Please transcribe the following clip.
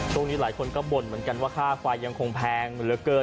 ช่วงนี้หลายคนก็บ่นเหมือนกันว่าค่าไฟยังคงแพงเหลือเกิน